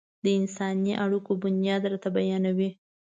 د انساني اړيکو بنياد راته بيانوي.